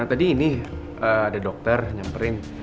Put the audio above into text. tadi ini ada dokter nyamperin